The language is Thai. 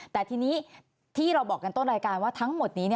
แต่ทีนี้ที่เราบอกกันต้นรายการว่าทั้งหมดนี้